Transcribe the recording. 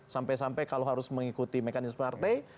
sampai sampai kalau harus mengikuti mekanisme partai